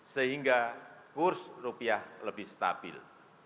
sehingga kurs rupiah lebih stabil